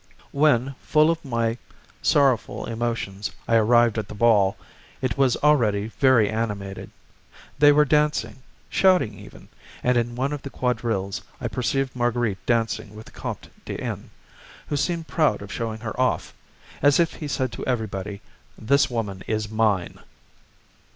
When, full of my sorrowful emotions, I arrived at the ball, it was already very animated. They were dancing, shouting even, and in one of the quadrilles I perceived Marguerite dancing with the Comte de N., who seemed proud of showing her off, as if he said to everybody: "This woman is mine."